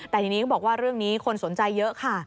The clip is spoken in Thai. แต่ทีนี้เขาบอกว่าเรื่องนี้คนสนใจเยอะค่ะ